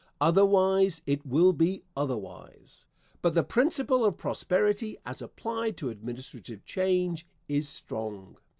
Otherwise it will be otherwise. But the principle of prosperity as applied to administrative change is strong.